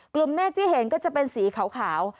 เมฆที่เห็นก็จะเป็นสีขาว